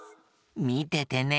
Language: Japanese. みててね。